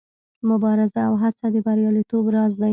مبارزه او هڅه د بریالیتوب راز دی.